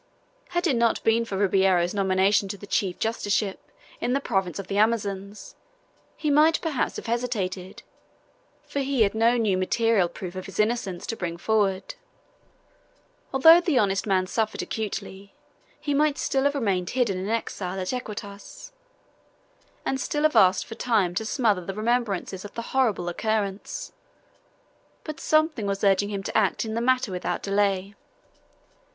Had it not been for Ribeiro's nomination to the chief justiceship in the province of Amazones, he might perhaps have hesitated, for he had no new material proof of his innocence to bring forward. Although the honest man suffered acutely, he might still have remained hidden in exile at Iquitos, and still have asked for time to smother the remembrances of the horrible occurrence, but something was urging him to act in the matter without delay.